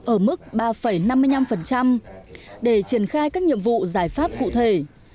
ở mức ba năm mươi năm để triển khai các nhiệm vụ giải pháp cụ thể